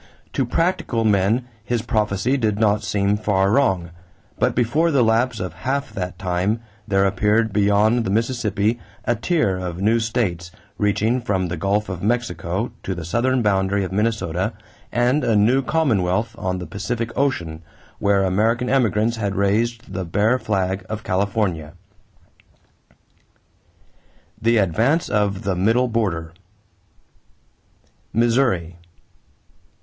To practical men, his prophecy did not seem far wrong; but before the lapse of half that time there appeared beyond the Mississippi a tier of new states, reaching from the Gulf of Mexico to the southern boundary of Minnesota, and a new commonwealth on the Pacific Ocean where American emigrants had raised the Bear flag of California. THE ADVANCE OF THE MIDDLE BORDER =Missouri.